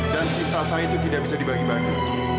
dan cinta saya itu tidak bisa dibagi bagi